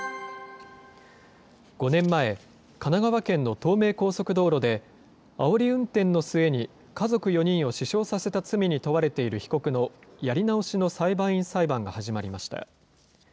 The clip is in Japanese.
５年前、神奈川県の東名高速道路であおり運転の末に、家族４人を死傷させた罪に問われている被告のやり直しの裁判員裁判が始まりました。